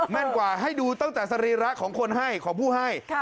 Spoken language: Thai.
กว่าให้ดูตั้งแต่สรีระของคนให้ของผู้ให้